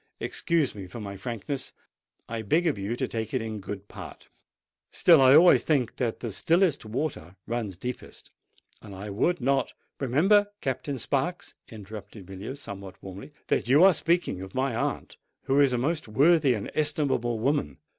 Excuse me for my frankness—I beg of you to take it in good part: still I always think that the stillest water runs deepest; and I would not——" "Remember, Captain Sparks," interrupted Villiers, somewhat warmly, "that you are speaking of my aunt, who is a most worthy and estimable woman.